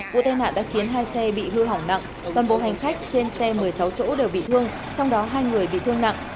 vụ tai nạn đã khiến hai xe bị hư hỏng nặng toàn bộ hành khách trên xe một mươi sáu chỗ đều bị thương trong đó hai người bị thương nặng